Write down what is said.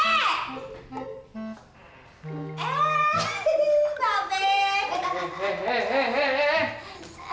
eh pak beko